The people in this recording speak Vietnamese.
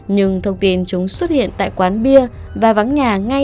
nhưng thông tin chúng xuất hiện tại quán bia và vắng nhà ngay